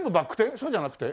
そうじゃなくて？